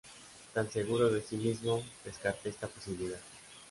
tan seguro de sí mismo, descarté esta posibilidad